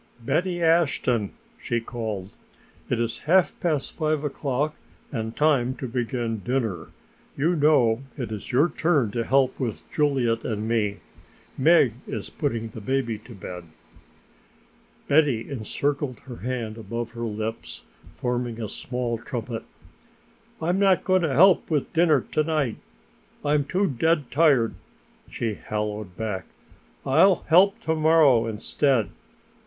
"Betty Ashton," she called, "it is half past five o'clock and time to begin dinner. You know it is your turn to help with Juliet and me. Meg is putting the baby to bed." Betty encircled her hand above her lips forming a small trumpet. "I am not going to help with dinner to night, I am too dead tired," she halloed back. "I will help to morrow instead."